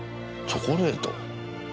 チョコレート？